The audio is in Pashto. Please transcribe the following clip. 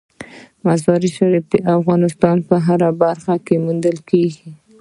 مزارشریف د افغانستان په هره برخه کې موندل کېږي.